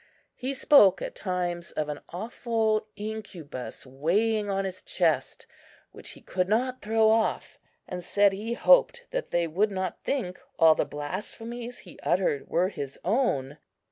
He spoke, at times, of an awful incubus weighing on his chest, which he could not throw off, and said he hoped that they would not think all the blasphemies he uttered were his own.